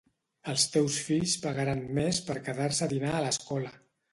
Els teus fills pagaran més per quedar-se a dinar a l'escola.